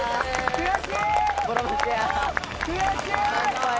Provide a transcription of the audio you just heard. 悔しい！